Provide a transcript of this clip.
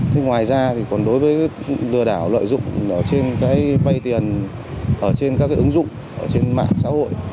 thế ngoài ra thì còn đối với lừa đảo lợi dụng ở trên cái vay tiền ở trên các cái ứng dụng ở trên mạng xã hội